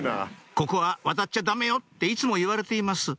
「ここは渡っちゃダメよ」っていつも言われています